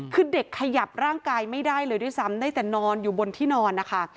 คือเด็กขยับร่างกายไม่ได้เลยด้วยซ้ำได้แต่นอนอยู่บนที่นอนนะคะ